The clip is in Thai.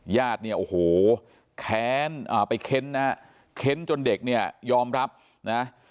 ญาติเนี่ยโอ้โหแค้นไปเค้นนะฮะเค้นจนเด็กเนี่ยยอมรับนะ